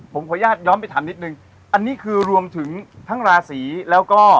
ผมขออนุญาตย้อนไปถามนิดนึงอันนี้คือรวมถึงทั้งราศีแล้วก็